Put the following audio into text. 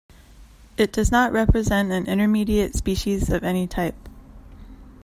It does not represent an intermediate species of any type.